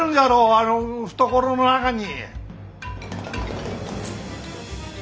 あの懐の中に。